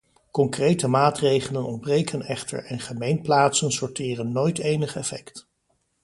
Concrete maatregelen ontbreken echter en gemeenplaatsen sorteren nooit enig effect.